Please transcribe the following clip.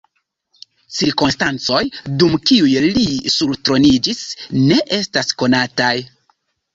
Cirkonstancoj, dum kiuj li surtroniĝis, ne estas konataj.